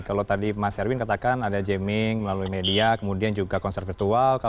kalau tadi mas erwin katakan ada jamming melalui media kemudian juga konser virtual